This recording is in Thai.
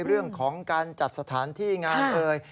เรื่องของการจัดสถานที่งานเอ่ย